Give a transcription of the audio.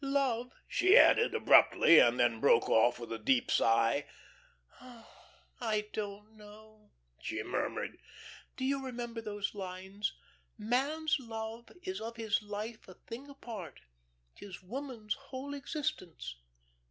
Love," she added, abruptly, and then broke off with a deep sigh. "Oh, I don't know," she murmured. "Do you remember those lines: "Man's love is of his life a thing apart, 'Tis woman's whole existence.